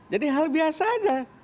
jadi hal biasa ada